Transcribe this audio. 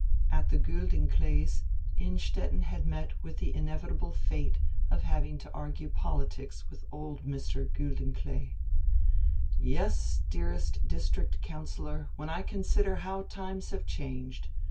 At tire Guldenklees' Innstetten had nret with tire inevitable fate of having to argue politics with old Mr. Guldenklee. "Yes, dearest district councillor, when I consider how times have changed!